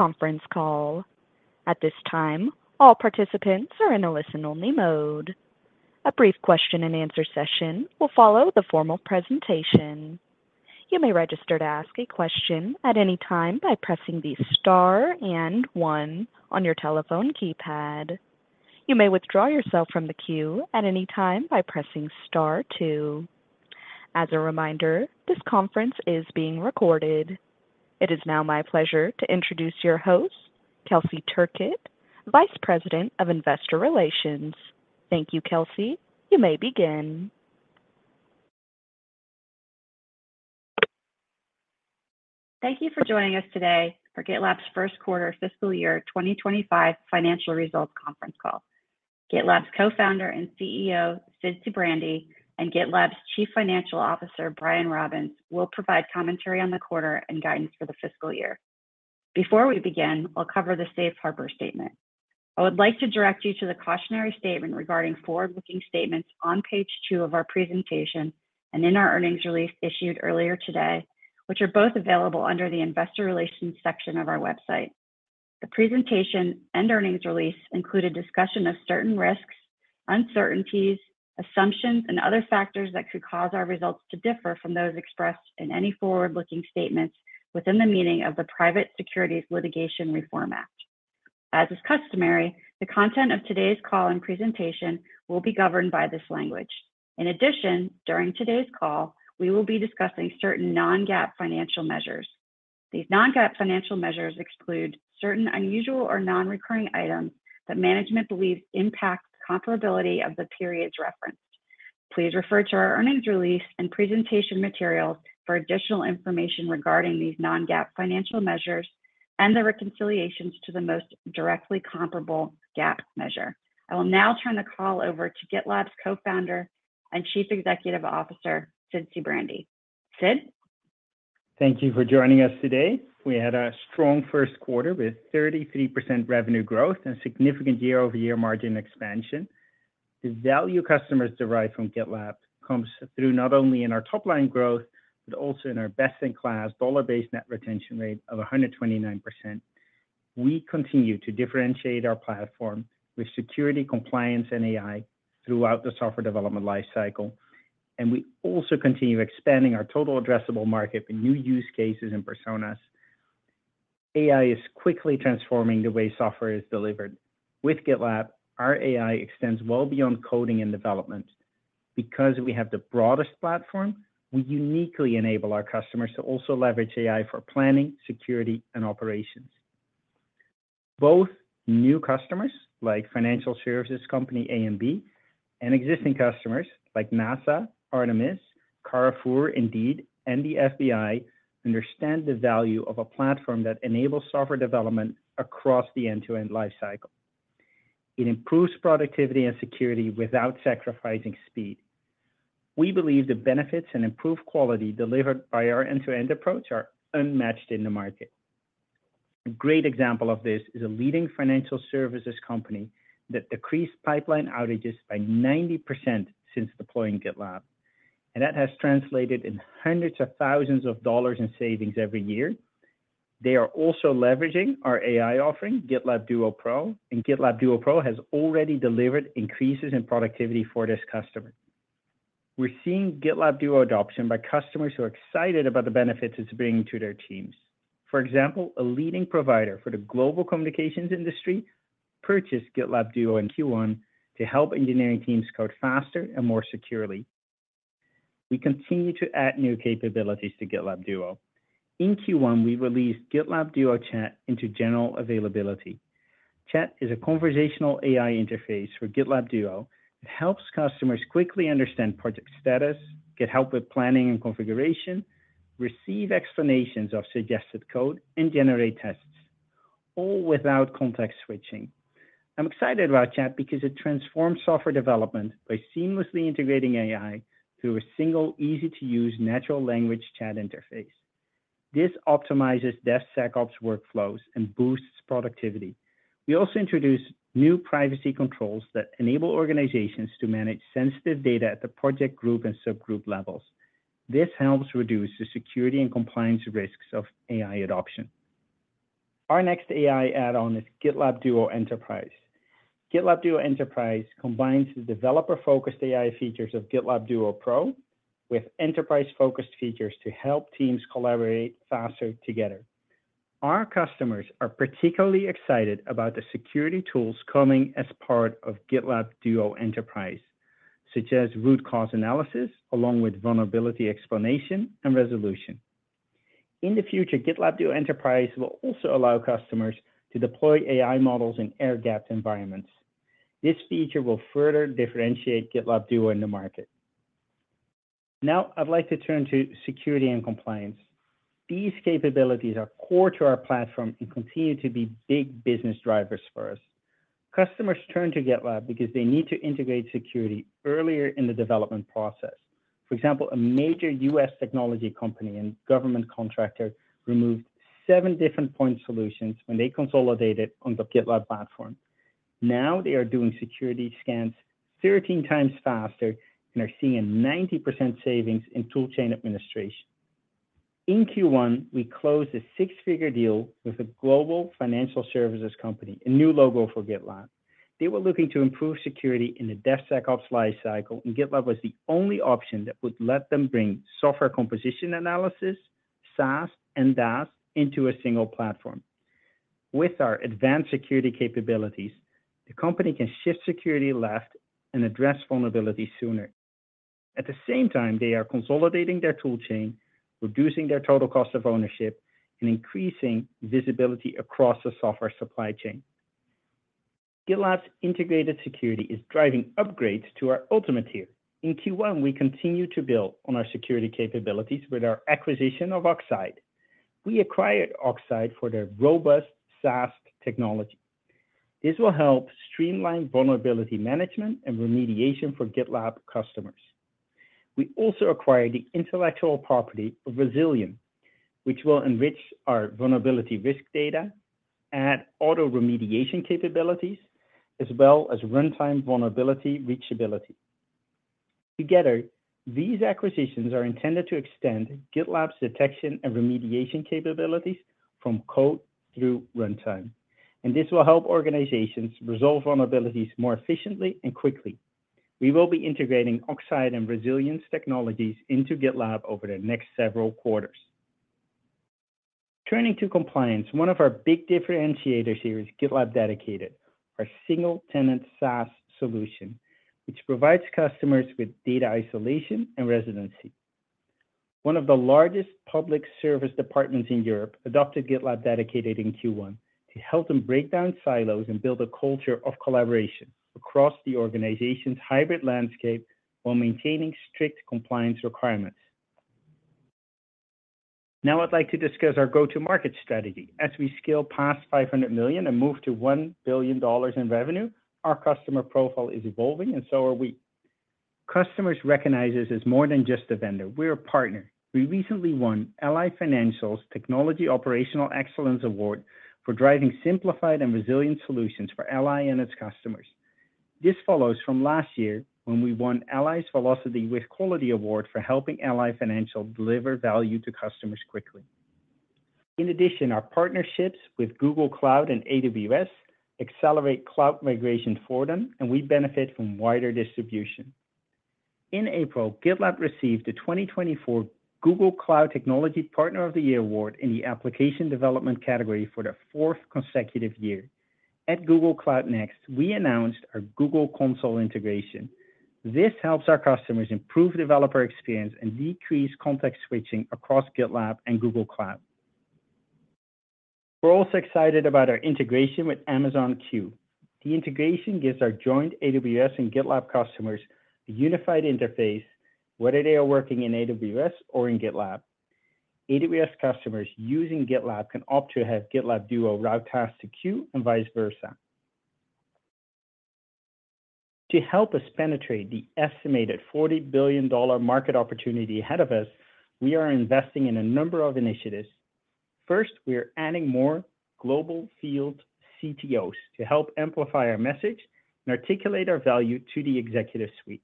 Conference call. At this time, all participants are in a listen-only mode. A brief question-and-answer session will follow the formal presentation. You may register to ask a question at any time by pressing the Star and One on your telephone keypad. You may withdraw yourself from the queue at any time by pressing Star Two. As a reminder, this conference is being recorded. It is now my pleasure to introduce your host, Kelsey Turkett, Vice President of Investor Relations. Thank you, Kelsey. You may begin. Thank you for joining us today for GitLab's first quarter fiscal year 2025 financial results conference call. GitLab's Co-founder and CEO, Sid Sijbrandij, and GitLab's Chief Financial Officer, Brian Robbins, will provide commentary on the quarter and guidance for the fiscal year. Before we begin, I'll cover the safe harbor statement. I would like to direct you to the cautionary statement regarding forward-looking statements on page two of our presentation and in our earnings release issued earlier today, which are both available under the Investor Relations section of our website. The presentation and earnings release include a discussion of certain risks, uncertainties, assumptions, and other factors that could cause our results to differ from those expressed in any forward-looking statements within the meaning of the Private Securities Litigation Reform Act. As is customary, the content of today's call and presentation will be governed by this language. In addition, during today's call, we will be discussing certain non-GAAP financial measures. These non-GAAP financial measures exclude certain unusual or non-recurring items that management believes impact comparability of the periods referenced. Please refer to our earnings release and presentation materials for additional information regarding these non-GAAP financial measures and the reconciliations to the most directly comparable GAAP measure. I will now turn the call over to GitLab's Co-founder and Chief Executive Officer, Sid Sijbrandij. Sid? Thank you for joining us today. We had a strong first quarter with 33% revenue growth and significant year-over-year margin expansion. The value customers derive from GitLab comes through not only in our top-line growth, but also in our best-in-class dollar-based net retention rate of 129%. We continue to differentiate our platform with security, compliance, and AI throughout the software development lifecycle, and we also continue expanding our total addressable market with new use cases and personas. AI is quickly transforming the way software is delivered. With GitLab, our AI extends well beyond coding and development. Because we have the broadest platform, we uniquely enable our customers to also leverage AI for planning, security, and operations. Both new customers, like financial services company A and B, and existing customers, like NASA, Artemis, Carrefour, Indeed, and the FBI, understand the value of a platform that enables software development across the end-to-end life cycle. It improves productivity and security without sacrificing speed. We believe the benefits and improved quality delivered by our end-to-end approach are unmatched in the market. A great example of this is a leading financial services company that decreased pipeline outages by 90% since deploying GitLab, and that has translated in $hundreds of thousands in savings every year. They are also leveraging our AI offering, GitLab Duo Pro, and GitLab Duo Pro has already delivered increases in productivity for this customer. We're seeing GitLab Duo adoption by customers who are excited about the benefits it's bringing to their teams. For example, a leading provider for the global communications industry purchased GitLab Duo in Q1 to help engineering teams code faster and more securely. We continue to add new capabilities to GitLab Duo. In Q1, we released GitLab Duo Chat into general availability. Chat is a conversational AI interface for GitLab Duo. It helps customers quickly understand project status, get help with planning and configuration, receive explanations of suggested code, and generate tests, all without context switching. I'm excited about Chat because it transforms software development by seamlessly integrating AI through a single, easy-to-use natural language chat interface. This optimizes DevSecOps workflows and boosts productivity. We also introduced new privacy controls that enable organizations to manage sensitive data at the project, group, and subgroup levels. This helps reduce the security and compliance risks of AI adoption. Our next AI add-on is GitLab Duo Enterprise. GitLab Duo Enterprise combines the developer-focused AI features of GitLab Duo Pro with enterprise-focused features to help teams collaborate faster together. Our customers are particularly excited about the security tools coming as part of GitLab Duo Enterprise, such as root cause analysis, along with vulnerability explanation and resolution. In the future, GitLab Duo Enterprise will also allow customers to deploy AI models in air-gapped environments. This feature will further differentiate GitLab Duo in the market. Now, I'd like to turn to security and compliance. These capabilities are core to our platform and continue to be big business drivers for us. Customers turn to GitLab because they need to integrate security earlier in the development process. For example, a major U.S. technology company and government contractor removed seven different point solutions when they consolidated on the GitLab platform.... Now they are doing security scans 13 times faster and are seeing a 90% savings in tool chain administration. In Q1, we closed a six-figure deal with a global financial services company, a new logo for GitLab. They were looking to improve security in the DevSecOps lifecycle, and GitLab was the only option that would let them bring software composition analysis, SAST, and DAST into a single platform. With our advanced security capabilities, the company can shift security left and address vulnerability sooner. At the same time, they are consolidating their tool chain, reducing their total cost of ownership, and increasing visibility across the software supply chain. GitLab's integrated security is driving upgrades to our Ultimate tier. In Q1, we continued to build on our security capabilities with our acquisition of Oxeye. We acquired Oxeye for their robust SAST technology. This will help streamline vulnerability management and remediation for GitLab customers. We also acquired the intellectual property of Rezilion, which will enrich our vulnerability risk data, add auto remediation capabilities, as well as runtime vulnerability reachability. Together, these acquisitions are intended to extend GitLab's detection and remediation capabilities from code through runtime, and this will help organizations resolve vulnerabilities more efficiently and quickly. We will be integrating Oxeye and Rezilion technologies into GitLab over the next several quarters. Turning to compliance, one of our big differentiators here is GitLab Dedicated, our single-tenant SaaS solution, which provides customers with data isolation and residency. One of the largest public service departments in Europe adopted GitLab Dedicated in Q1 to help them break down silos and build a culture of collaboration across the organization's hybrid landscape while maintaining strict compliance requirements. Now, I'd like to discuss our go-to-market strategy. As we scale past $500 million and move to $1 billion in revenue, our customer profile is evolving, and so are we. Customers recognize us as more than just a vendor. We're a partner. We recently won Ally Financial's Technology Operational Excellence Award for driving simplified and resilient solutions for Ally and its customers. This follows from last year when we won Ally's Velocity with Quality Award for helping Ally Financial deliver value to customers quickly. In addition, our partnerships with Google Cloud and AWS accelerate cloud migration for them, and we benefit from wider distribution. In April, GitLab received the 2024 Google Cloud Technology Partner of the Year award in the application development category for the fourth consecutive year. At Google Cloud Next, we announced our Google Cloud Console integration. This helps our customers improve developer experience and decrease context switching across GitLab and Google Cloud. We're also excited about our integration with Amazon Q. The integration gives our joint AWS and GitLab customers a unified interface, whether they are working in AWS or in GitLab. AWS customers using GitLab can opt to have GitLab Duo route tasks to Q and vice versa. To help us penetrate the estimated $40 billion market opportunity ahead of us, we are investing in a number of initiatives. First, we are adding more global field CTOs to help amplify our message and articulate our value to the executive suite.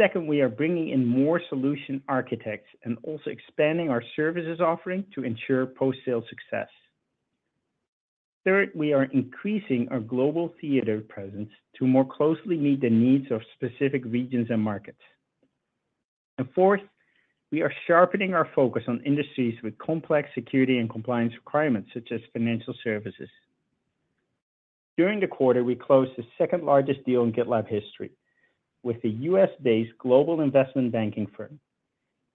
Second, we are bringing in more solution architects and also expanding our services offering to ensure post-sale success. Third, we are increasing our global theater presence to more closely meet the needs of specific regions and markets. And fourth, we are sharpening our focus on industries with complex security and compliance requirements, such as financial services. During the quarter, we closed the second-largest deal in GitLab history with a U.S.-based global investment banking firm.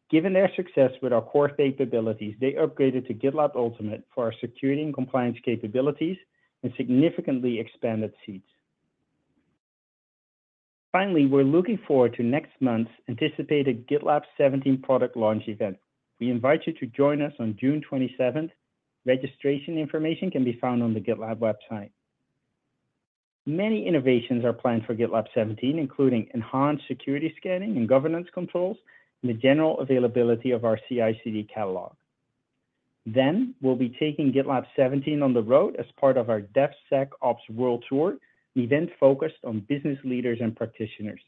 Given their success with our core capabilities, they upgraded to GitLab Ultimate for our security and compliance capabilities and significantly expanded seats. Finally, we're looking forward to next month's anticipated GitLab 17 product launch event. We invite you to join us on June 27th. Registration information can be found on the GitLab website. Many innovations are planned for GitLab 17, including enhanced security scanning and governance controls, and the general availability of our CI/CD Catalog. Then we'll be taking GitLab 17 on the road as part of our DevSecOps World Tour, an event focused on business leaders and practitioners.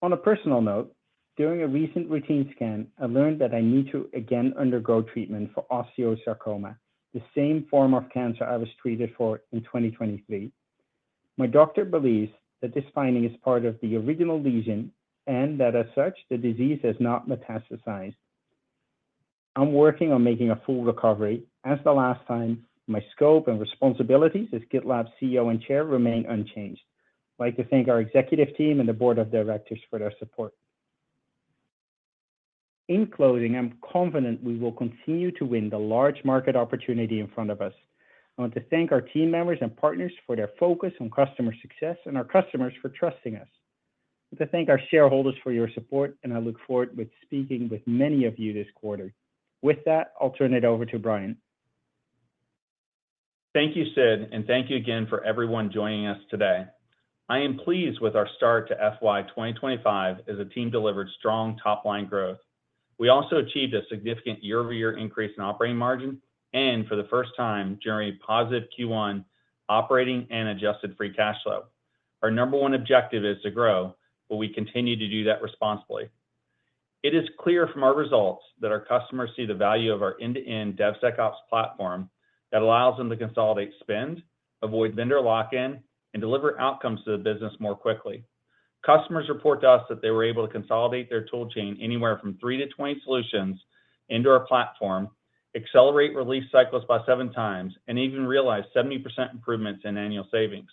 On a personal note, during a recent routine scan, I learned that I need to again undergo treatment for osteosarcoma, the same form of cancer I was treated for in 2023. My doctor believes that this finding is part of the original lesion and that as such, the disease has not metastasized. I'm working on making a full recovery. As the last time, my scope and responsibilities as GitLab CEO and Chair remain unchanged. I'd like to thank our executive team and the board of directors for their support. In closing, I'm confident we will continue to win the large market opportunity in front of us. I want to thank our team members and partners for their focus on customer success and our customers for trusting us. I want to thank our shareholders for your support, and I look forward with speaking with many of you this quarter. With that, I'll turn it over to Brian. Thank you, Sid, and thank you again for everyone joining us today. I am pleased with our start to FY 2025 as the team delivered strong top-line growth. We also achieved a significant year-over-year increase in operating margin, and for the first time, generating positive Q1 operating and adjusted free cash flow. Our number one objective is to grow, but we continue to do that responsibly. It is clear from our results that our customers see the value of our end-to-end DevSecOps platform that allows them to consolidate spend, avoid vendor lock-in, and deliver outcomes to the business more quickly. Customers report to us that they were able to consolidate their tool chain anywhere from three to 20 solutions into our platform, accelerate release cycles by 7x, and even realize 70% improvements in annual savings.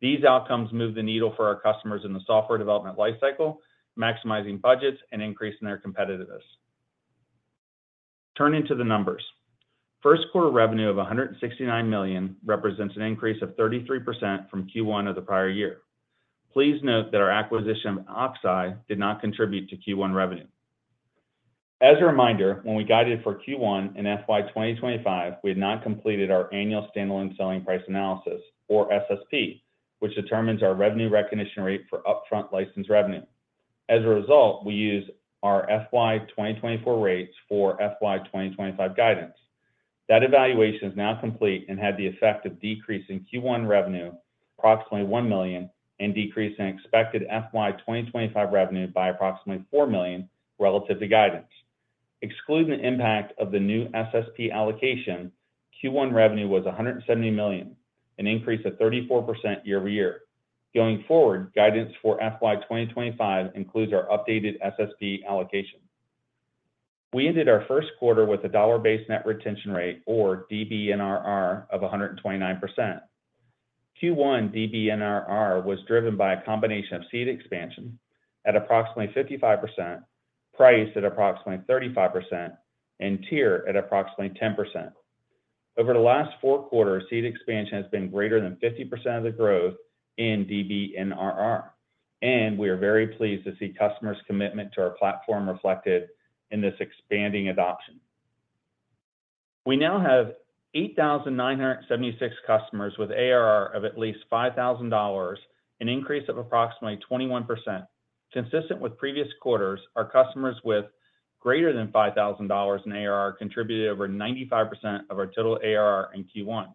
These outcomes move the needle for our customers in the software development lifecycle, maximizing budgets and increasing their competitiveness. Turning to the numbers. First quarter revenue of $169 million represents an increase of 33% from Q1 of the prior year. Please note that our acquisition of Oxeye did not contribute to Q1 revenue. As a reminder, when we guided for Q1 in FY 2025, we had not completed our annual standalone selling price analysis, or SSP, which determines our revenue recognition rate for upfront license revenue. As a result, we use our FY 2024 rates for FY 2025 guidance. That evaluation is now complete and had the effect of decreasing Q1 revenue, approximately $1 million, and decreasing expected FY 2025 revenue by approximately $4 million relative to guidance. Excluding the impact of the new SSP allocation, Q1 revenue was $170 million, an increase of 34% year-over-year. Going forward, guidance for FY 2025 includes our updated SSP allocation. We ended our first quarter with a dollar-based net retention rate, or DBNRR, of 129%. Q1 DBNRR was driven by a combination of seat expansion at approximately 55%, price at approximately 35%, and tier at approximately 10%. Over the last four quarters, seat expansion has been greater than 50% of the growth in DBNRR, and we are very pleased to see customers' commitment to our platform reflected in this expanding adoption. We now have 8,976 customers with ARR of at least $5,000, an increase of approximately 21%. Consistent with previous quarters, our customers with greater than $5,000 in ARR contributed over 95% of our total ARR in Q1.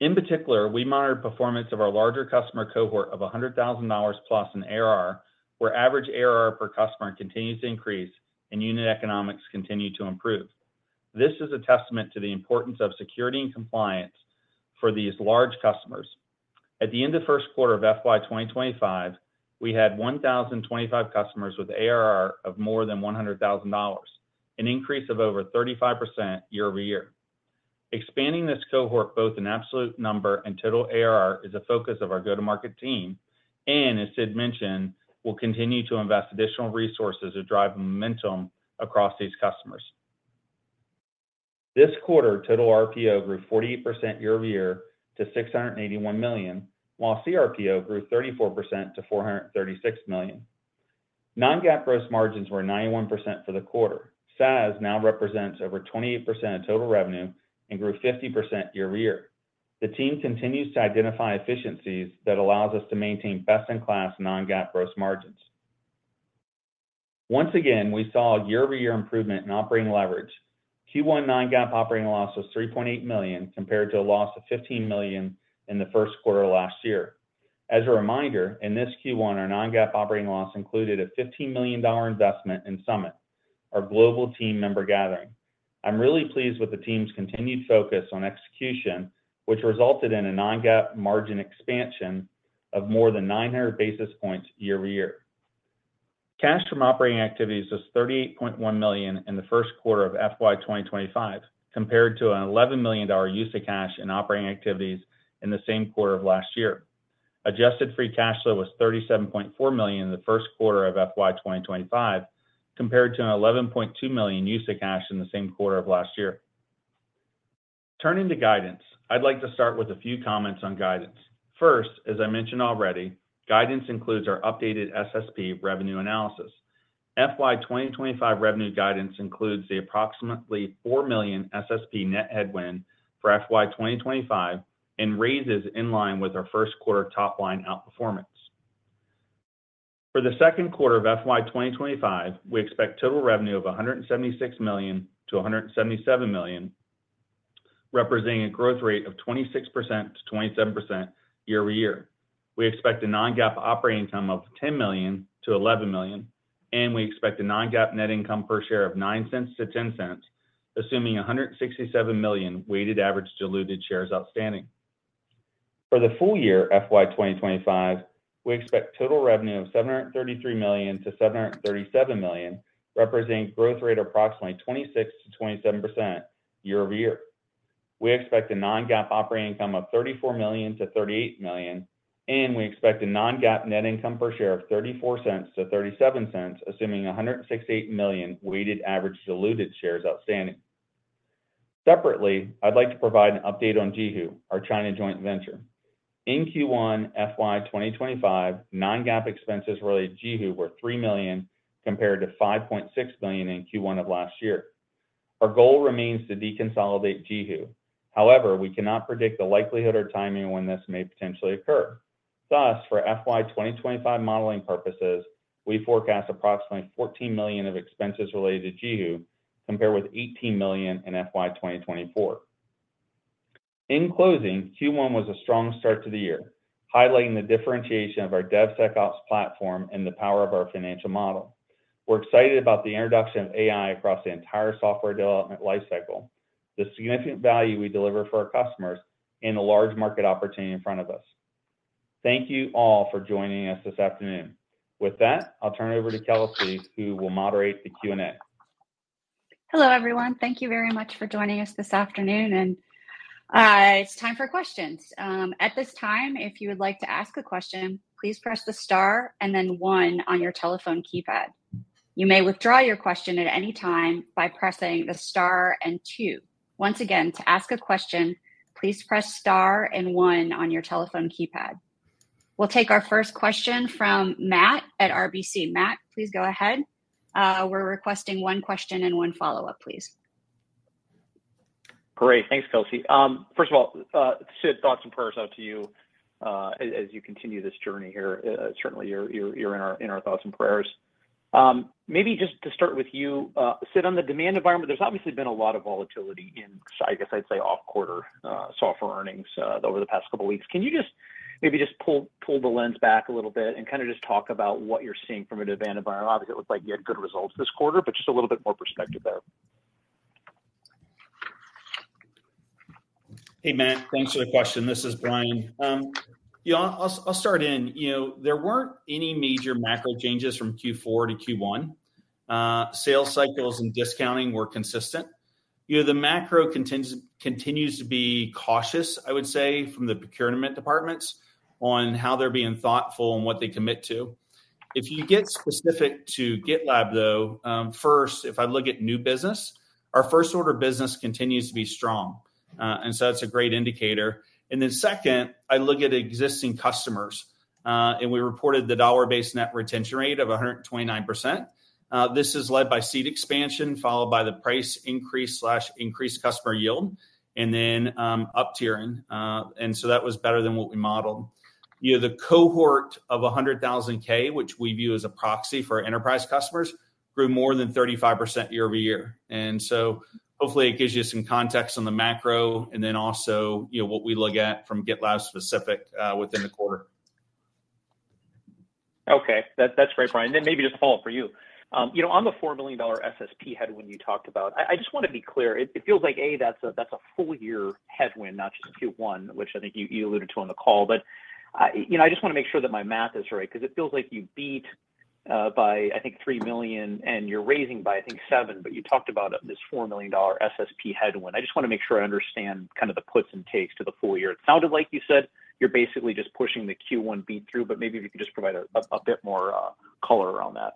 In particular, we monitored performance of our larger customer cohort of $100,000 plus in ARR, where average ARR per customer continues to increase and unit economics continue to improve. This is a testament to the importance of security and compliance for these large customers. At the end of the first quarter of FY 2025, we had 1,025 customers with ARR of more than $100,000, an increase of over 35% year-over-year. Expanding this cohort, both in absolute number and total ARR, is a focus of our go-to-market team, and as Sid mentioned, we'll continue to invest additional resources to drive momentum across these customers. This quarter, total RPO grew 48% year-over-year to $681 million, while CRPO grew 34% to $436 million. Non-GAAP gross margins were 91% for the quarter. SaaS now represents over 28% of total revenue and grew 50% year-over-year. The team continues to identify efficiencies that allows us to maintain best-in-class non-GAAP gross margins. Once again, we saw a year-over-year improvement in operating leverage. Q1 non-GAAP operating loss was $3.8 million, compared to a loss of $15 million in the first quarter of last year. As a reminder, in this Q1, our non-GAAP operating loss included a $15 million investment in Summit, our global team member gathering. I'm really pleased with the team's continued focus on execution, which resulted in a non-GAAP margin expansion of more than 900 basis points year-over-year. Cash from operating activities was $38.1 million in the first quarter of FY 2025, compared to an $11 million use of cash in operating activities in the same quarter of last year. Adjusted free cash flow was $37.4 million in the first quarter of FY 2025, compared to an $11.2 million use of cash in the same quarter of last year. Turning to guidance, I'd like to start with a few comments on guidance. First, as I mentioned already, guidance includes our updated SSP revenue analysis. FY 2025 revenue guidance includes the approximately $4 million SSP net headwind for FY 2025 and raises in line with our first quarter top-line outperformance. For the second quarter of FY 2025, we expect total revenue of $176 million-177 million, representing a growth rate of 26%-27% year-over-year. We expect a non-GAAP operating income of $10 million-11 million, and we expect a non-GAAP net income per share of $0.09-0.10, assuming 167 million weighted average diluted shares outstanding. For the full-year, FY 2025, we expect total revenue of $733 million-737 million, representing growth rate of approximately 26%-27% year-over-year. We expect a non-GAAP operating income of $34 million-38 million, and we expect a non-GAAP net income per share of $0.34-0.37, assuming 168 million weighted average diluted shares outstanding. Separately, I'd like to provide an update on JiHu, our China joint venture. In Q1 FY 2025, non-GAAP expenses related to JiHu were $3 million, compared to $5.6 million in Q1 of last year. Our goal remains to deconsolidate JiHu. However, we cannot predict the likelihood or timing when this may potentially occur. Thus, for FY 2025 modeling purposes, we forecast approximately $14 million of expenses related to JiHu, compared with $18 million in FY 2024. In closing, Q1 was a strong start to the year, highlighting the differentiation of our DevSecOps platform and the power of our financial model. We're excited about the introduction of AI across the entire software development life cycle, the significant value we deliver for our customers, and the large market opportunity in front of us. Thank you all for joining us this afternoon. With that, I'll turn it over to Kelsey, who will moderate the Q&A. Hello, everyone. Thank you very much for joining us this afternoon, and it's time for questions. At this time, if you would like to ask a question, please press the star and then one on your telephone keypad. You may withdraw your question at any time by pressing the star and two. Once again, to ask a question, please press star and one on your telephone keypad. We'll take our first question from Matt at RBC. Matt, please go ahead. We're requesting one question and one follow-up, please. Great. Thanks, Kelsey. First of all, Sid, thoughts and prayers out to you, as you continue this journey here. Certainly, you're in our thoughts and prayers. Maybe just to start with you, Sid, on the demand environment, there's obviously been a lot of volatility in, so I guess I'd say off quarter, software earnings, over the past couple of weeks. Can you just maybe pull the lens back a little bit and kinda just talk about what you're seeing from a demand environment? Obviously, it looks like you had good results this quarter, but just a little bit more perspective there. Hey, Matt, thanks for the question. This is Brian. Yeah, I'll start in. You know, there weren't any major macro changes from Q4 to Q1. Sales cycles and discounting were consistent. You know, the macro continues to be cautious, I would say, from the procurement departments on how they're being thoughtful on what they commit to. If you get specific to GitLab, though, first, if I look at new business, our first order business continues to be strong, and so that's a great indicator. And then second, I look at existing customers, and we reported the dollar-based net retention rate of 129%. This is led by seat expansion, followed by the price increase/increased customer yield, and then up-tiering. And so that was better than what we modeled. You know, the cohort of 100K, which we view as a proxy for our enterprise customers, grew more than 35% year-over-year. And so hopefully it gives you some context on the macro, and then also, you know, what we look at from GitLab specific within the quarter. Okay. That, that's great, Brian. Then maybe just a follow-up for you. You know, on the $4 million SSP headwind you talked about, I just wanna be clear. It feels like, A, that's a full-year headwind, not just a Q1, which I think you alluded to on the call. But, you know, I just wanna make sure that my math is right, 'cause it feels like you beat by, I think, $3 million, and you're raising by, I think, $7 million, but you talked about this $4 million SSP headwind. I just wanna make sure I understand kind of the puts and takes to the full-year. It sounded like you said you're basically just pushing the Q1 beat through, but maybe if you could just provide a bit more color around that.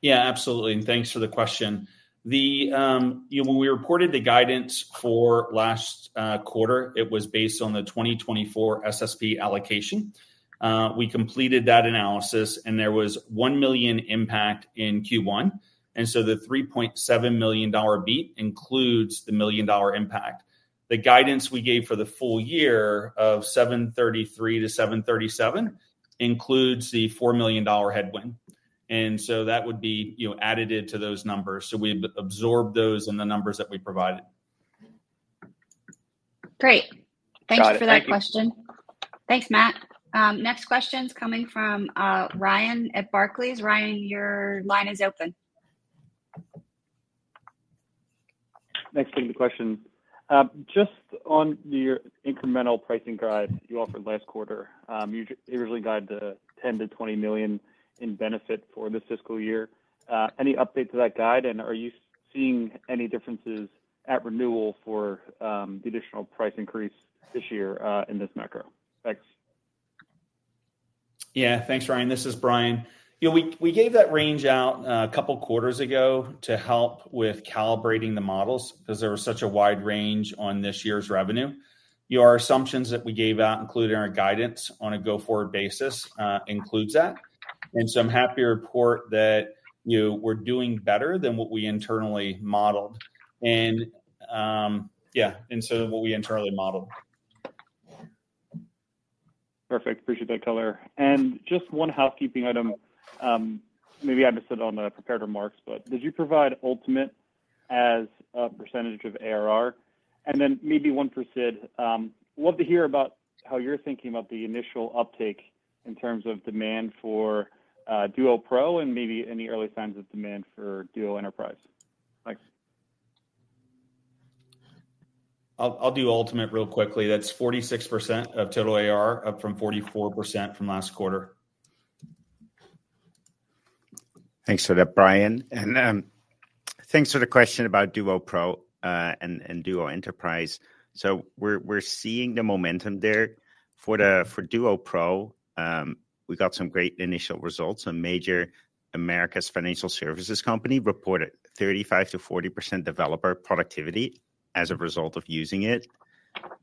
Yeah, absolutely, and thanks for the question. The, you know, when we reported the guidance for last quarter, it was based on the 2024 SSP allocation. We completed that analysis, and there was $1 million impact in Q1, and so the $3.7 million beat includes the $1 million impact. The guidance we gave for the full-year of $733 million-737 million includes the $4 million headwind, and so that would be, you know, added into those numbers. So we've absorbed those in the numbers that we provided. Great. Got it. Thank you for that question. Thanks, Matt. Next question is coming from Ryan at Barclays. Ryan, your line is open. Thanks for the question. Just on your incremental pricing guide you offered last quarter, you usually guide the $10 million-20 million in benefit for this fiscal year. Any update to that guide, and are you seeing any differences at renewal for the additional price increase this year in this macro? Thanks. Yeah. Thanks, Ryan. This is Brian. You know, we gave that range out a couple of quarters ago to help with calibrating the models because there was such a wide range on this year's revenue. Your assumptions that we gave out, including our guidance on a go-forward basis, includes that. And so I'm happy to report that, you know, we're doing better than what we internally modeled. And yeah, and so what we internally modeled. Perfect. Appreciate that color. Just one housekeeping item, maybe I missed it on the prepared remarks, but did you provide Ultimate as a percentage of ARR? Then maybe one for Sid. Love to hear about how you're thinking about the initial uptake in terms of demand for Duo Pro and maybe any early signs of demand for Duo Enterprise. Thanks. I'll do Ultimate real quickly. That's 46% of total ARR, up from 44% from last quarter. Thanks for that, Brian. Thanks for the question about Duo Pro and Duo Enterprise. So we're seeing the momentum there. For Duo Pro, we got some great initial results. A major Americas financial services company reported 35%-40% developer productivity as a result of using it....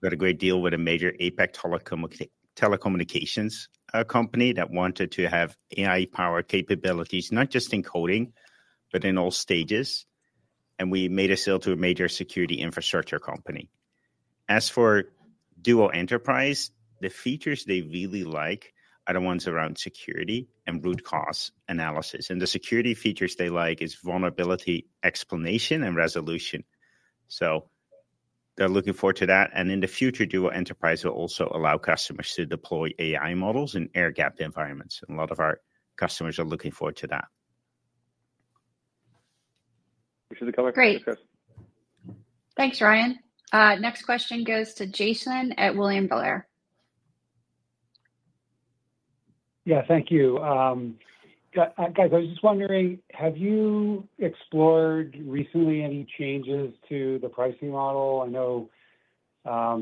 Got a great deal with a major APAC telecommunications company that wanted to have AI-powered capabilities, not just in coding, but in all stages. We made a sale to a major security infrastructure company. As for Duo Enterprise, the features they really like are the ones around security and root cause analysis. The security features they like is vulnerability explanation and resolution. They're looking forward to that, and in the future, Duo Enterprise will also allow customers to deploy AI models in air-gapped environments, and a lot of our customers are looking forward to that. You should cover? Great. Yes. Thanks, Ryan. Next question goes to Jason at William Blair. Yeah, thank you. Guys, I was just wondering, have you explored recently any changes to the pricing model? I know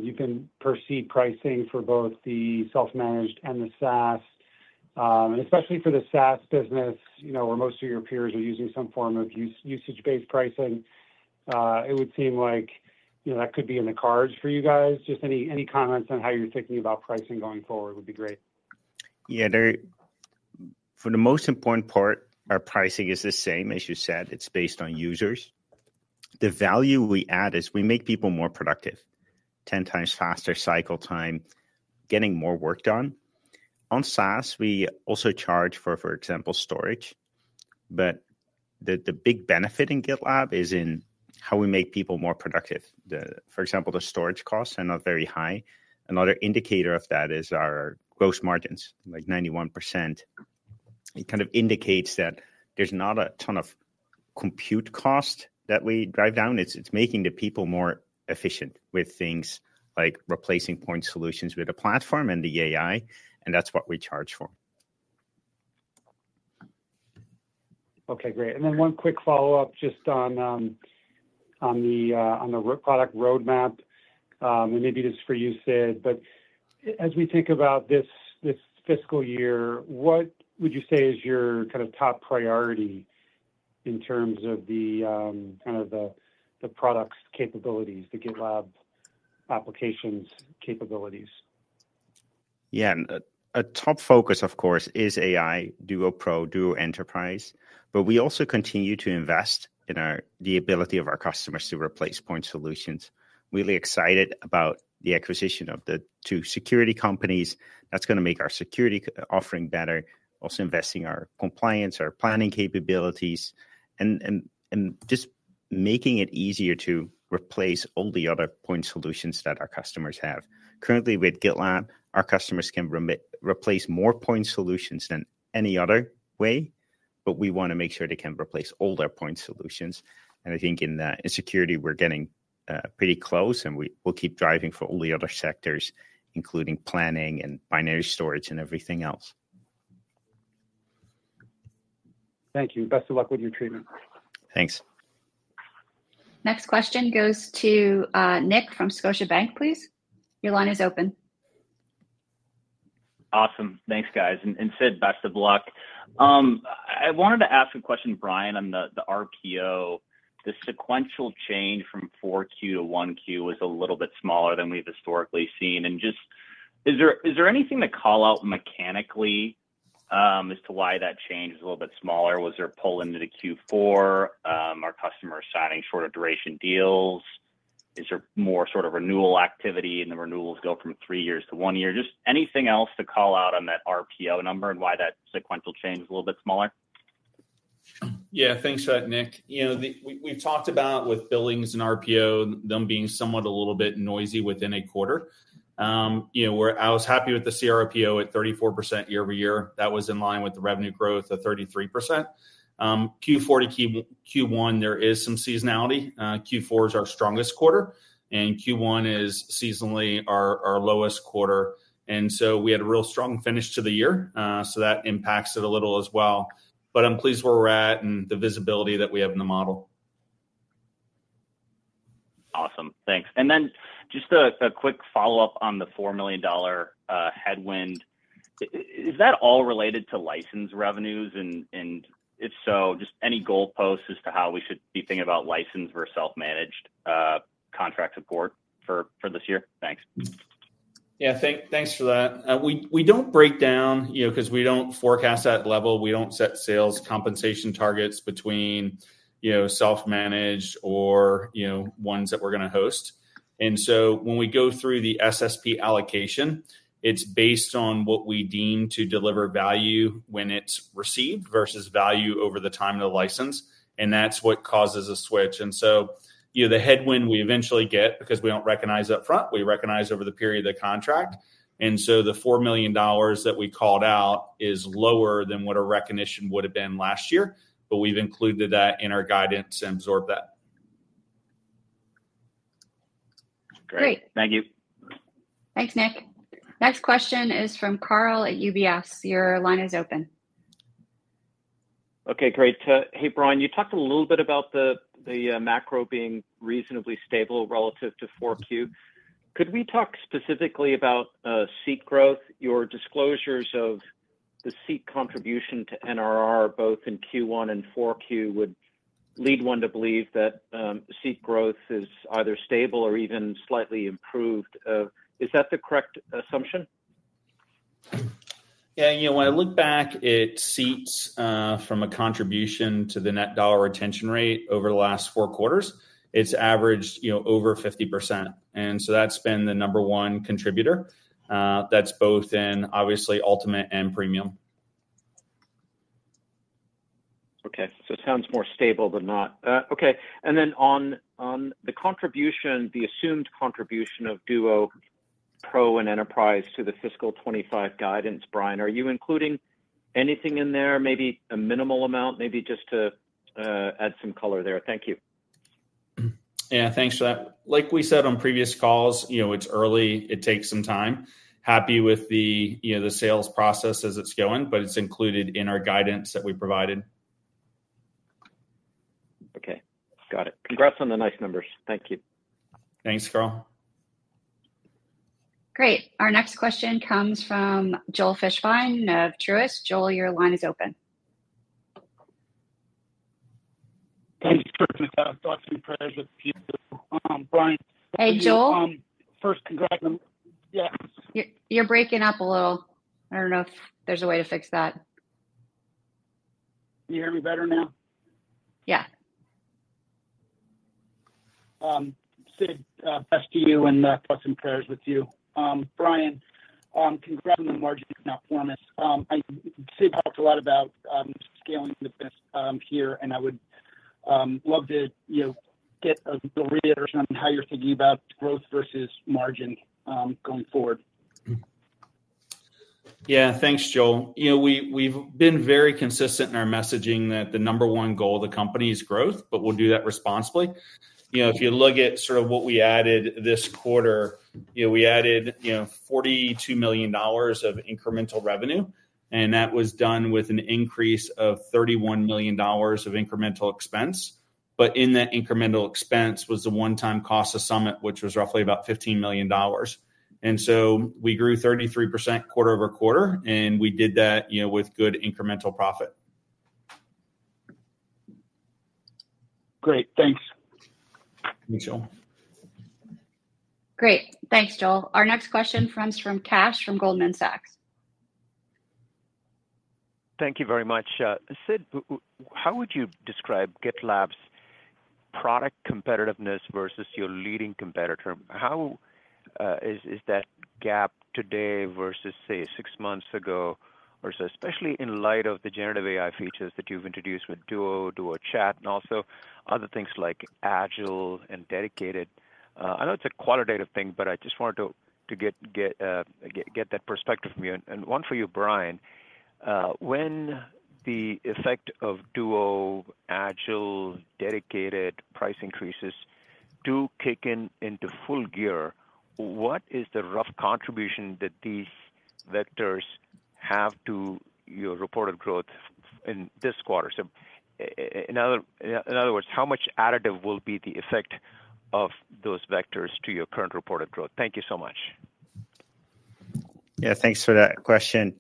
you provide pricing for both the self-managed and the SaaS. And especially for the SaaS business, you know, where most of your peers are using some form of usage-based pricing, it would seem like, you know, that could be in the cards for you guys. Just any comments on how you're thinking about pricing going forward would be great. Yeah, they're for the most important part, our pricing is the same. As you said, it's based on users. The value we add is we make people more productive, 10x faster cycle time, getting more work done. On SaaS, we also charge for, for example, storage. But the big benefit in GitLab is in how we make people more productive. The. For example, the storage costs are not very high. Another indicator of that is our gross margins, like 91%. It kind of indicates that there's not a ton of compute cost that we drive down. It's making the people more efficient with things like replacing point solutions with a platform and the AI, and that's what we charge for. Okay, great. And then one quick follow-up just on the product roadmap. And maybe this is for you, Sid, but as we think about this, this fiscal year, what would you say is your kind of top priority in terms of the kind of the product's capabilities, the GitLab applications capabilities? Yeah. A top focus, of course, is AI, Duo Pro, Duo Enterprise, but we also continue to invest in the ability of our customers to replace point solutions. Really excited about the acquisition of the two security companies. That's gonna make our security offering better, also investing our compliance, our planning capabilities, and just making it easier to replace all the other point solutions that our customers have. Currently, with GitLab, our customers can replace more point solutions than any other way, but we wanna make sure they can replace all their point solutions. And I think in security, we're getting pretty close, and we will keep driving for all the other sectors, including planning and binary storage and everything else. Thank you. Best of luck with your treatment. Thanks. Next question goes to, Nick from Scotiabank, please. Your line is open. Awesome. Thanks, guys. And Sid, best of luck. I wanted to ask a question, Brian, on the RPO. The sequential change from four Q to one Q was a little bit smaller than we've historically seen. And just... Is there anything to call out mechanically as to why that change is a little bit smaller? Was there a pull into the Q4? Are customers signing shorter duration deals? Is there more sort of renewal activity, and the renewals go from three years to one year? Just anything else to call out on that RPO number and why that sequential change is a little bit smaller? Yeah, thanks for that, Nick. You know, we've talked about with billings and RPO, them being somewhat a little bit noisy within a quarter. You know, I was happy with the CRPO at 34% year-over-year. That was in line with the revenue growth of 33%. Q4 to Q1, there is some seasonality. Q4 is our strongest quarter, and Q1 is seasonally our lowest quarter. And so we had a real strong finish to the year, so that impacts it a little as well. But I'm pleased where we're at and the visibility that we have in the model. Awesome. Thanks. And then just a quick follow-up on the $4 million headwind. Is that all related to license revenues? And if so, just any goalposts as to how we should be thinking about license versus self-managed contract support for this year? Thanks. Yeah, thanks for that. We don't break down, you know, because we don't forecast that level. We don't set sales compensation targets between, you know, self-managed or, you know, ones that we're gonna host. And so when we go through the SSP allocation, it's based on what we deem to deliver value when it's received versus value over the time of the license, and that's what causes a switch. And so, you know, the headwind we eventually get, because we don't recognize upfront, we recognize over the period of the contract. And so the $4 million that we called out is lower than what our recognition would have been last year, but we've included that in our guidance and absorbed that. Great. Thank you. Thanks, Nick. Next question is from Karl at UBS. Your line is open. Okay, great. Hey, Brian, you talked a little bit about the macro being reasonably stable relative to 4Q. Could we talk specifically about seat growth, your disclosures of-... the seat contribution to NRR, both in Q1 and 4Q, would lead one to believe that, seat growth is either stable or even slightly improved. Is that the correct assumption? Yeah, you know, when I look back at seats, from a contribution to the net dollar retention rate over the last four quarters, it's averaged, you know, over 50%, and so that's been the number one contributor. That's both in, obviously, Ultimate and Premium. Okay, so it sounds more stable than not. Okay, and then on the contribution, the assumed contribution of Duo Pro and Enterprise to the fiscal 2025 guidance, Brian, are you including anything in there? Maybe a minimal amount, maybe just to add some color there. Thank you. Yeah, thanks for that. Like we said on previous calls, you know, it's early, it takes some time. Happy with the, you know, the sales process as it's going, but it's included in our guidance that we provided. Okay. Got it. Congrats on the nice numbers. Thank you. Thanks, Karl. Great. Our next question comes from Joel Fishbein of Truist. Joel, your line is open. Thanks for thoughts and prayers with you. Brian- Hey, Joel? First, congrats on... Yes. You're, you're breaking up a little. I don't know if there's a way to fix that. Can you hear me better now? Yeah. Sid, best to you and thoughts and prayers with you. Brian, congrats on the margin performance. I... Sid talked a lot about scaling the business here, and I would love to, you know, get a reiteration on how you're thinking about growth versus margin going forward. Yeah. Thanks, Joel. You know, we've been very consistent in our messaging that the number one goal of the company is growth, but we'll do that responsibly. You know, if you look at sort of what we added this quarter, you know, we added $42 million of incremental revenue, and that was done with an increase of $31 million of incremental expense. But in that incremental expense was the one-time cost of Summit, which was roughly about $15 million. So we grew 33% quarter-over-quarter, and we did that, you know, with good incremental profit. Great. Thanks. Thanks, Joel. Great. Thanks, Joel. Our next question comes from Kash from Goldman Sachs. Thank you very much. Sid, how would you describe GitLab's product competitiveness versus your leading competitor? How is that gap today versus, say, six months ago, or so, especially in light of the generative AI features that you've introduced with Duo, Duo Chat, and also other things like Agile and Dedicated? I know it's a qualitative thing, but I just wanted to get that perspective from you. And one for you, Brian, when the effect of Duo, Agile, Dedicated price increases do kick in into full gear, what is the rough contribution that these vectors have to your reported growth in this quarter? So in other words, how much additive will be the effect of those vectors to your current reported growth? Thank you so much. Yeah, thanks for that question.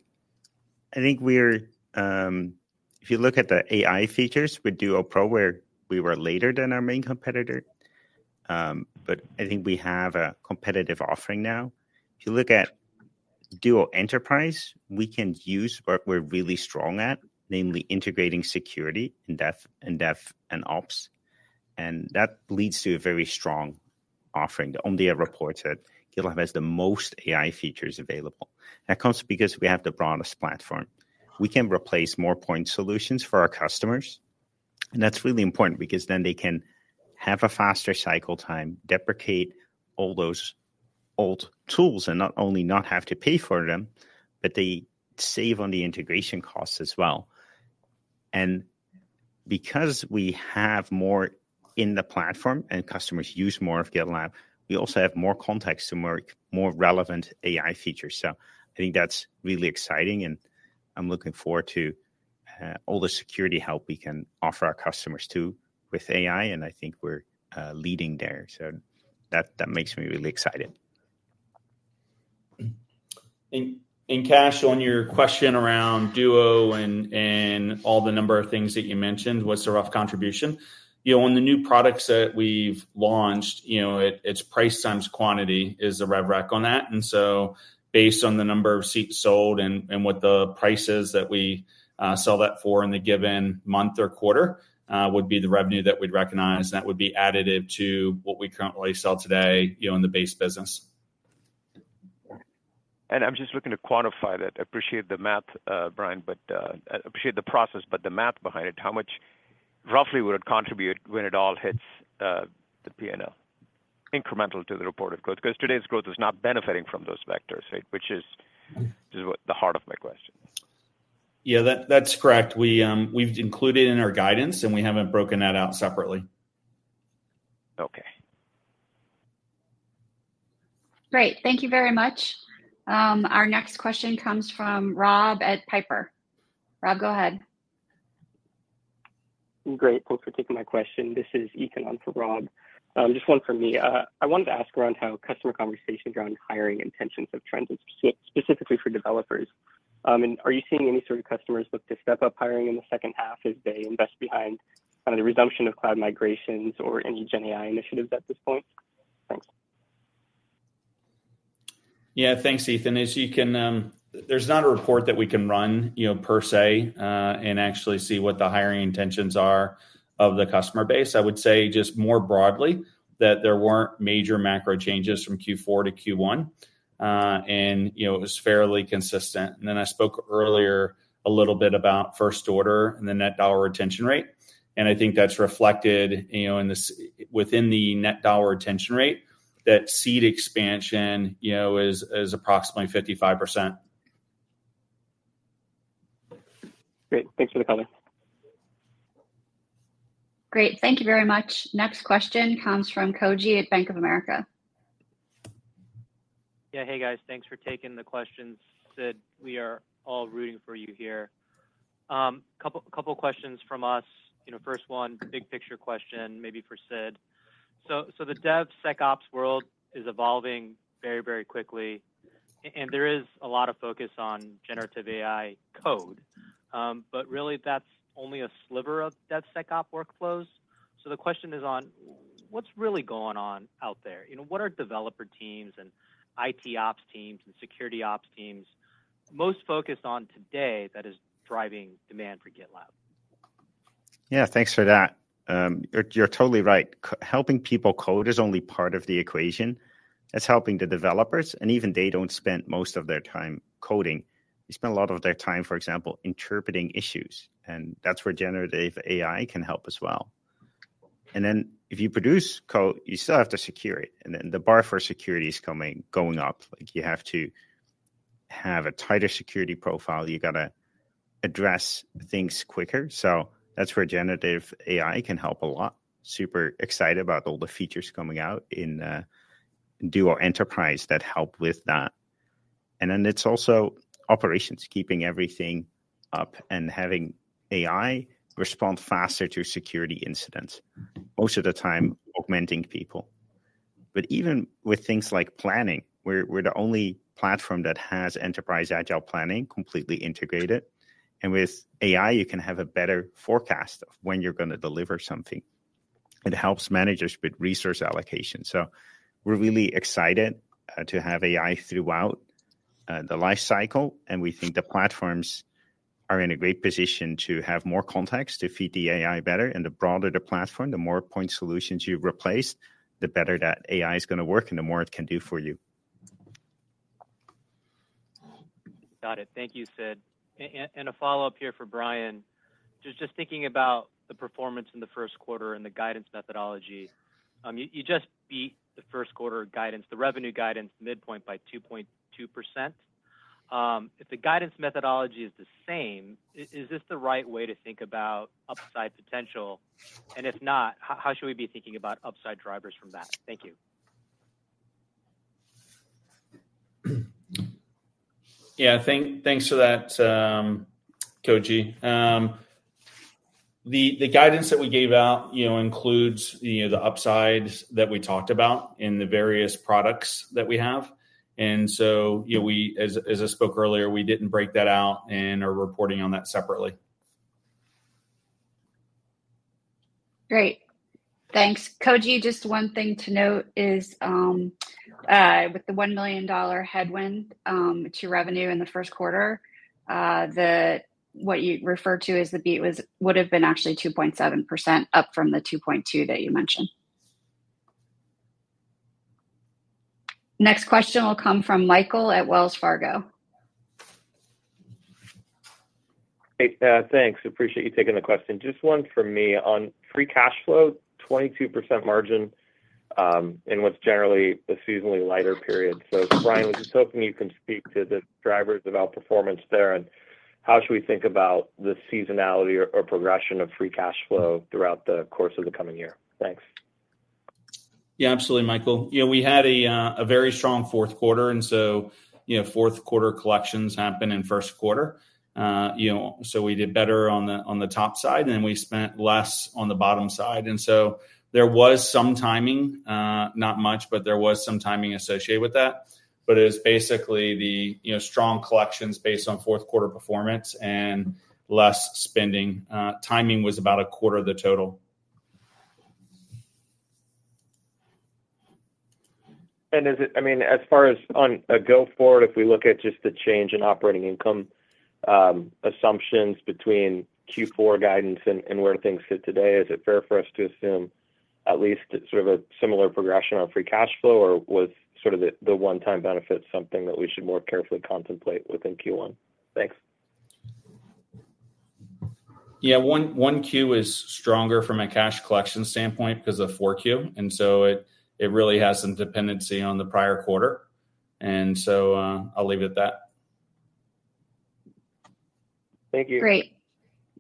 I think we're... If you look at the AI features with Duo Pro, where we were later than our main competitor, but I think we have a competitive offering now. If you look at Duo Enterprise, we can use what we're really strong at, namely integrating security in dev and ops, and that leads to a very strong offering. Omdia reports that GitLab has the most AI features available. That comes because we have the broadest platform. We can replace more point solutions for our customers, and that's really important because then they can have a faster cycle time, deprecate all those old tools, and not only not have to pay for them, but they save on the integration costs as well. Because we have more in the platform and customers use more of GitLab, we also have more context to more relevant AI features. So I think that's really exciting, and I'm looking forward to all the security help we can offer our customers, too, with AI, and I think we're leading there. So that makes me really excited. And, Kash, on your question around Duo and all the number of things that you mentioned, what's the rough contribution? You know, on the new products that we've launched, you know, it's price times quantity is the rev rec on that. And so based on the number of seats sold and what the prices that we sell that for in the given month or quarter would be the revenue that we'd recognize, and that would be additive to what we currently sell today, you know, in the base business. And I'm just looking to quantify that. I appreciate the math, Brian, but I appreciate the process, but the math behind it, how much roughly would it contribute when it all hits, the P&L, incremental to the reported growth? Because today's growth is not benefiting from those vectors, right? Which is what the heart of my question. Yeah, that's correct. We, we've included in our guidance, and we haven't broken that out separately. Okay. Great. Thank you very much. Our next question comes from Rob at Piper. Rob, go ahead.... I'm grateful for taking my question. This is Ethan on for Rob. Just one for me. I wanted to ask around how customer conversations around hiring intentions have trends, and specifically for developers. And are you seeing any sort of customers look to step up hiring in the second half as they invest behind kind of the resumption of cloud migrations or any GenAI initiatives at this point? Thanks. Yeah. Thanks, Ethan. As you can, there's not a report that we can run, you know, per se, and actually see what the hiring intentions are of the customer base. I would say just more broadly, that there weren't major macro changes from Q4 to Q1. And, you know, it was fairly consistent. And then I spoke earlier a little bit about first order and the net dollar retention rate, and I think that's reflected, you know, in the within the net dollar retention rate, that seat expansion, you know, is, is approximately 55%. Great. Thanks for the color. Great. Thank you very much. Next question comes from Koji at Bank of America. Yeah. Hey, guys. Thanks for taking the questions. Sid, we are all rooting for you here. Couple questions from us. You know, first one, big picture question, maybe for Sid. So the DevSecOps world is evolving very, very quickly, and there is a lot of focus on generative AI code. But really that's only a sliver of DevSecOps workflows. So the question is, what's really going on out there? You know, what are developer teams and IT ops teams and security ops teams most focused on today that is driving demand for GitLab? Yeah, thanks for that. You're totally right. Helping people code is only part of the equation. It's helping the developers, and even they don't spend most of their time coding. They spend a lot of their time, for example, interpreting issues, and that's where generative AI can help as well. And then, if you produce code, you still have to secure it, and then the bar for security is going up. Like, you have to have a tighter security profile. You gotta address things quicker. So that's where generative AI can help a lot. Super excited about all the features coming out in Duo Enterprise that help with that. And then it's also operations, keeping everything up and having AI respond faster to security incidents, most of the time augmenting people. Even with things like planning, we're the only platform that has enterprise agile planning completely integrated. With AI, you can have a better forecast of when you're gonna deliver something. It helps managers with resource allocation. We're really excited to have AI throughout the life cycle, and we think the platforms are in a great position to have more context to feed the AI better, and the broader the platform, the more point solutions you replace, the better that AI is gonna work and the more it can do for you. Got it. Thank you, Sid. And a follow-up here for Brian. Just thinking about the performance in the first quarter and the guidance methodology, you just beat the first quarter guidance, the revenue guidance midpoint by 2.2%. If the guidance methodology is the same, is this the right way to think about upside potential? And if not, how should we be thinking about upside drivers from that? Thank you. Yeah, thanks for that, Koji. The guidance that we gave out, you know, includes, you know, the upsides that we talked about in the various products that we have. And so, you know, we, as I spoke earlier, we didn't break that out and are reporting on that separately. Great. Thanks. Koji, just one thing to note is, with the $1 million headwind to revenue in the first quarter, what you referred to as the beat would have been actually 2.7% up from the 2.2 that you mentioned. Next question will come from Michael at Wells Fargo. Hey, thanks, appreciate you taking the question. Just one for me on free cash flow, 22% margin, in what's generally the seasonally lighter period. So Brian, I was just hoping you can speak to the drivers of outperformance there, and how should we think about the seasonality or, or progression of free cash flow throughout the course of the coming year? Thanks. Yeah, absolutely, Michael. You know, we had a very strong fourth quarter, and so, you know, fourth quarter collections happen in first quarter. You know, so we did better on the, on the top side, and we spent less on the bottom side, and so there was some timing, not much, but there was some timing associated with that. But it was basically the, you know, strong collections based on fourth quarter performance and less spending. Timing was about a quarter of the total. Is it... I mean, as far as on a go-forward, if we look at just the change in operating income, assumptions between Q4 guidance and, and where things sit today, is it fair for us to assume at least sort of a similar progression on free cash flow, or was sort of the, the one-time benefit something that we should more carefully contemplate within Q1? Thanks. Yeah, 1Q is stronger from a cash collection standpoint because of 4Q, and so it really has some dependency on the prior quarter, and so I'll leave it at that. Thank you. Great.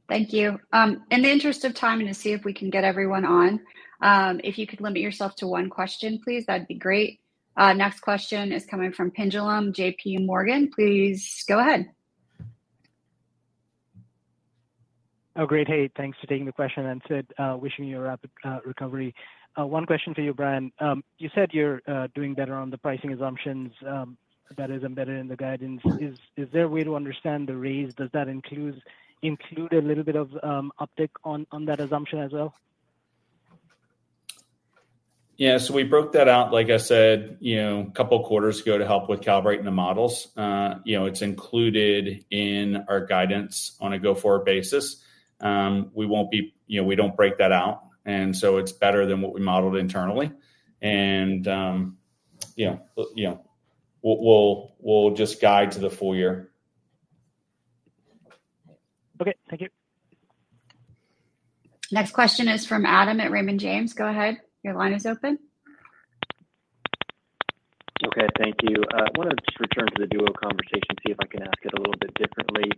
Thank you. In the interest of time and to see if we can get everyone on, if you could limit yourself to one question, please, that'd be great. Next question is coming from Pinjalim, JP Morgan, please go ahead. Oh, great. Hey, thanks for taking the question, and Sid, wishing you a rapid recovery. One question for you, Brian. You said you're doing better on the pricing assumptions that is embedded in the guidance. Is there a way to understand the raise? Does that include a little bit of uptick on that assumption as well? Yeah. So we broke that out, like I said, you know, a couple quarters ago to help with calibrating the models. You know, it's included in our guidance on a go-forward basis. We won't, you know, we don't break that out, and so it's better than what we modeled internally. Yeah, look, you know, we'll just guide to the full-year. Okay, thank you. Next question is from Adam Tindle at Raymond James. Go ahead. Your line is open. Okay, thank you. I wanna just return to the Duo conversation, see if I can ask it a little bit differently.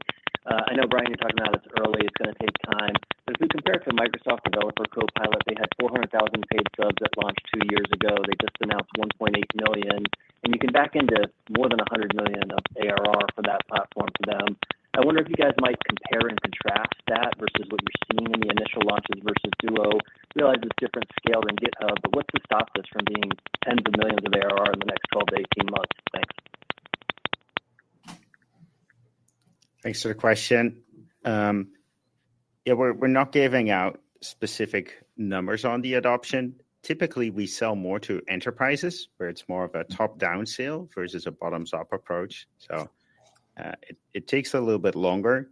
I know, Brian, you're talking about it's early, it's gonna take time. But if we compare it to Microsoft Developer Copilot, they had 400,000 paid subs that launched two years ago. They just announced 1.8 million, and you can back into more than $100 million of ARR for that platform for them. I wonder if you guys might compare and contrast that versus what you're seeing in the initial launches versus Duo. Realize it's different scale than GitHub, but what could stop this from being tens of millions of ARR in the next 12-18 months? Thanks. Thanks for the question. Yeah, we're not giving out specific numbers on the adoption. Typically, we sell more to enterprises, where it's more of a top-down sale versus a bottoms-up approach. So, it takes a little bit longer.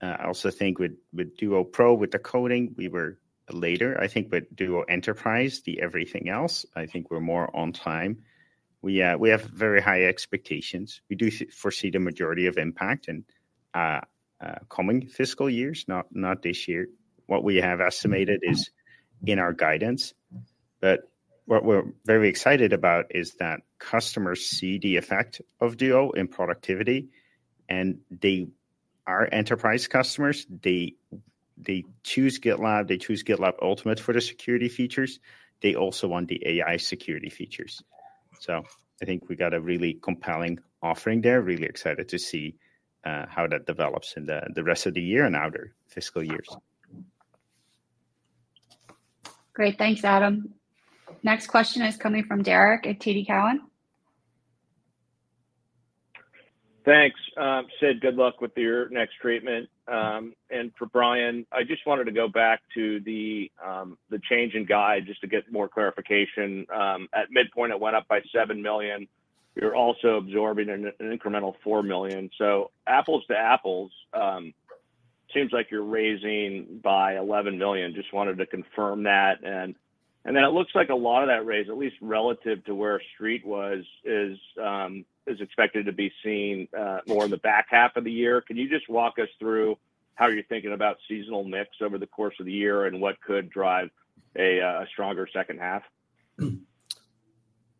I also think with Duo Pro, with the coding, we were later, I think, but Duo Enterprise, the everything else, I think we're more on time. We have very high expectations. We do foresee the majority of impact in coming fiscal years, not this year. What we have estimated is in our guidance, but what we're very excited about is that customers see the effect of Duo in productivity, and they, our enterprise customers, choose GitLab, they choose GitLab Ultimate for the security features. They also want the AI security features. So I think we got a really compelling offering there. Really excited to see how that develops in the rest of the year and outer fiscal years. Great. Thanks, Adam. Next question is coming from Derrick at TD Cowen. Thanks. Sid, good luck with your next treatment. And for Brian, I just wanted to go back to the change in guide, just to get more clarification. At midpoint, it went up by $7 million. You're also absorbing an incremental $4 million. So apples to apples, seems like you're raising by $11 million. Just wanted to confirm that. And then it looks like a lot of that raise, at least relative to where Street was, is expected to be seen more in the back half of the year. Can you just walk us through how you're thinking about seasonal mix over the course of the year and what could drive a stronger second half?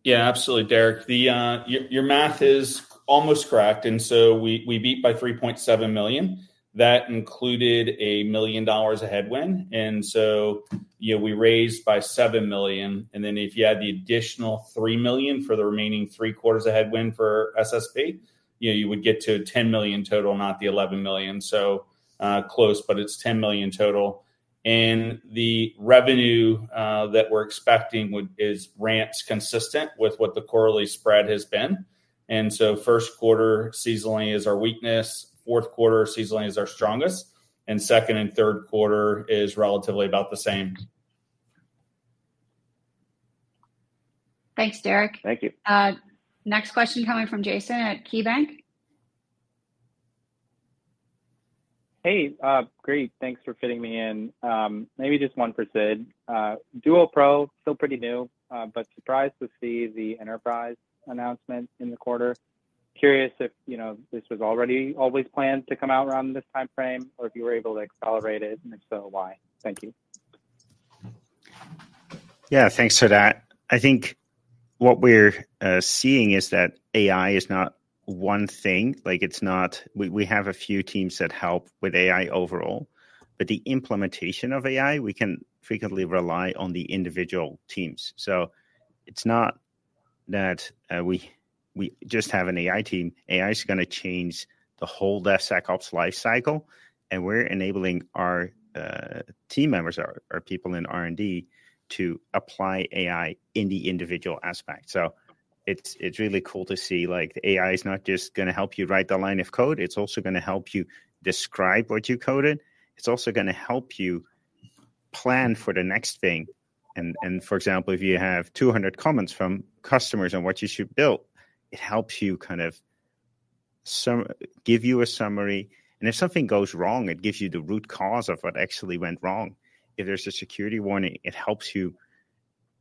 Yeah, absolutely, Derrick. The, your math is almost correct, and so we beat by $3.7 million. That included a $1 million headwind, and so, you know, we raised by $7 million, and then if you add the additional $3 million for the remaining three quarters of headwind for SSP, you know, you would get to $10 million total, not the $11 million. So, close, but it's $10 million total. And the revenue that we're expecting would- is ramps consistent with what the quarterly spread has been. And so first quarter, seasonally, is our weakness, fourth quarter, seasonally, is our strongest, and second and third quarter is relatively about the same. Thanks, Derrick. Thank you. Next question coming from Jason at KeyBank. Hey, great. Thanks for fitting me in. Maybe just one for Sid. Duo Pro, still pretty new, but surprised to see the Enterprise announcement in the quarter. Curious if, you know, this was already always planned to come out around this timeframe, or if you were able to accelerate it, and if so, why? Thank you. Yeah, thanks for that. I think what we're seeing is that AI is not one thing, like, it's not... We have a few teams that help with AI overall, but the implementation of AI, we can frequently rely on the individual teams. So it's not that we just have an AI team. AI is gonna change the whole DevSecOps life cycle, and we're enabling our team members, our people in R&D, to apply AI in the individual aspect. So it's really cool to see, like, the AI is not just gonna help you write the line of code, it's also gonna help you describe what you coded. It's also gonna help you plan for the next thing. For example, if you have 200 comments from customers on what you should build, it helps you kind of give you a summary, and if something goes wrong, it gives you the root cause of what actually went wrong. If there's a security warning, it helps you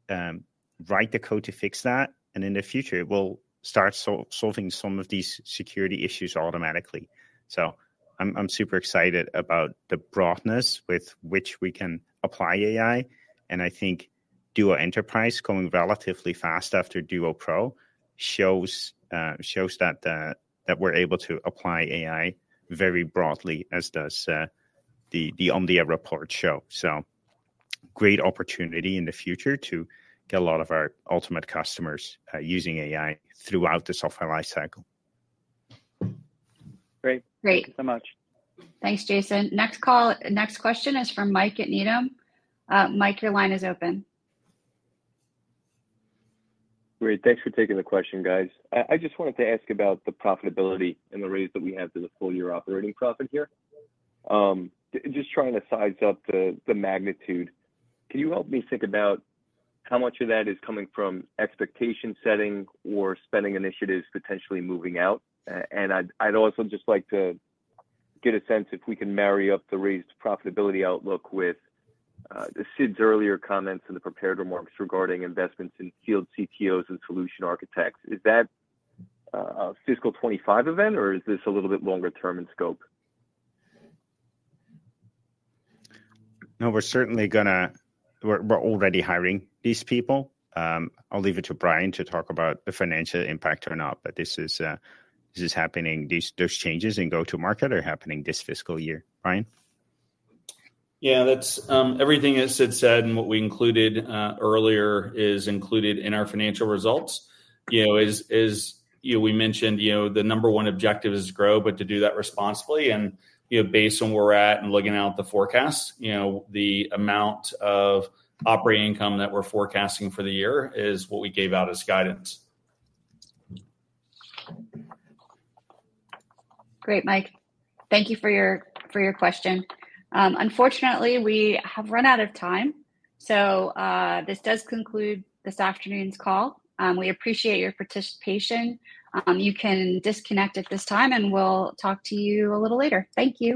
write the code to fix that, and in the future, it will start solving some of these security issues automatically. So I'm super excited about the broadness with which we can apply AI, and I think Duo Enterprise coming relatively fast after Duo Pro shows that that we're able to apply AI very broadly, as does the Omdia report show. So great opportunity in the future to get a lot of our ultimate customers using AI throughout the software lifecycle. Great. Great. Thank you so much. Thanks, Jason. Next question is from Mike at Needham. Mike, your line is open. Great. Thanks for taking the question, guys. I just wanted to ask about the profitability and the raise that we have to the full-year operating profit here. Just trying to size up the magnitude, can you help me think about how much of that is coming from expectation setting or spending initiatives potentially moving out? And I'd also just like to get a sense if we can marry up the raised profitability outlook with Sid's earlier comments in the prepared remarks regarding investments in field CTOs and solution architects. Is that a fiscal 2025 event, or is this a little bit longer term in scope? No, we're certainly gonna... We're already hiring these people. I'll leave it to Brian to talk about the financial impact or not, but this is happening. Those changes in go-to-market are happening this fiscal year. Brian? Yeah, that's everything that Sid said and what we included earlier is included in our financial results. You know, as you know, we mentioned, you know, the number 1 objective is to grow, but to do that responsibly and, you know, based on where we're at and looking out the forecast, you know, the amount of operating income that we're forecasting for the year is what we gave out as guidance. Great, Mike. Thank you for your, for your question. Unfortunately, we have run out of time, so, this does conclude this afternoon's call. We appreciate your participation. You can disconnect at this time, and we'll talk to you a little later. Thank you.